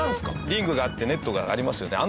リングがあってネットがありますよね。